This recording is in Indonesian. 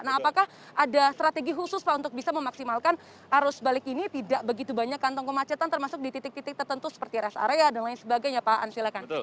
nah apakah ada strategi khusus pak untuk bisa memaksimalkan arus balik ini tidak begitu banyak kantong kemacetan termasuk di titik titik tertentu seperti res area dan lain sebagainya pak ansyilakan